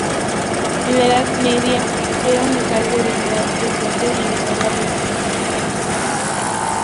En la Edad Media era un cargo o dignidad frecuente en las abadías.